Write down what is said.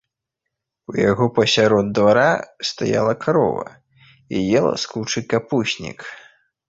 У яго пасярод двара стаяла карова і ела з кучы капуснік.